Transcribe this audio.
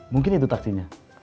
mungkin itu taksinya